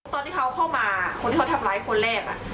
ตอนที่เขาเข้ามาคนที่เขาทำร้ายคนแรก